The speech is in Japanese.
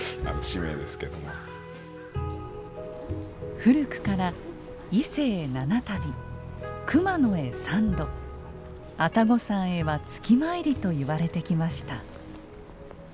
古くから「伊勢へ七度熊野へ三度愛宕山へは月参り」といわれてきました。